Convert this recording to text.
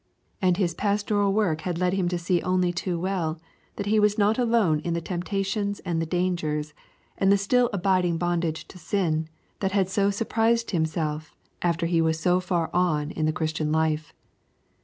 And his pastoral work had led him to see only too well that he was not alone in the temptations and the dangers and the still abiding bondage to sin that had so surprised himself after he was so far on in the Christian life.